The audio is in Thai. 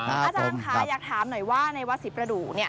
อาจารย์ค่ะอยากถามหน่อยว่าในวัดศรีประดูก